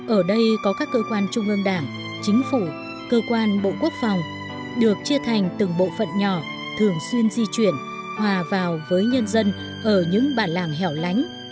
ở đây có các cơ quan trung ương đảng chính phủ cơ quan bộ quốc phòng được chia thành từng bộ phận nhỏ thường xuyên di chuyển hòa vào với nhân dân ở những bản làng hẻo lánh